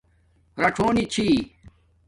رڞݸنی چھی